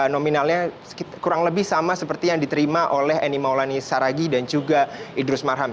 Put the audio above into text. nominalnya kurang lebih sama seperti yang diterima oleh eni maulani saragi dan juga idrus marham